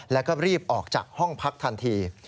แล้วก็รีบออกจากห้องพักทันที